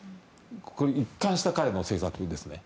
一貫した彼の政策ですね。